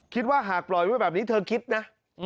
หากปล่อยไว้แบบนี้เธอคิดนะ